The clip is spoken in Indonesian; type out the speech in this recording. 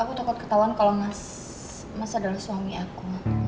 aku takut ketahuan kalau mas adalah suami aku